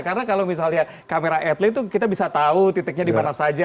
karena kalau misalnya kamera adelaide itu kita bisa tahu titiknya di mana saja